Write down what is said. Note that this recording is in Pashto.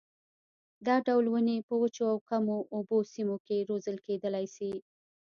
دا ډول ونې په وچو او کمو اوبو سیمو کې روزل کېدلای شي.